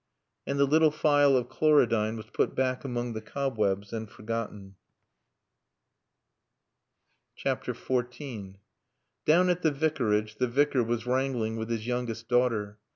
And the little phial of chlorodyne was put back among the cobwebs and forgotten. XIV Down at the Vicarage the Vicar was wrangling with his youngest daughter.